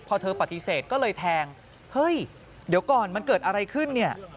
พอเธอปฏิเสธก็เลยแทงเฮ้ยเดี๋ยวก่อนมันเกิดอะไรขึ้นเนี่ย